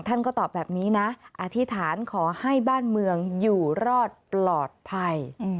ท่านก็ตอบแบบนี้นะอธิษฐานขอให้บ้านเมืองอยู่รอดปลอดภัย